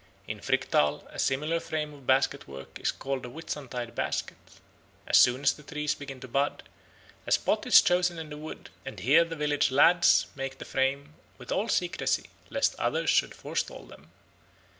In Fricktal a similar frame of basketwork is called the Whitsuntide Basket. As soon as the trees begin to bud, a spot is chosen in the wood, and here the village lads make the frame with all secrecy, lest others should forestall them.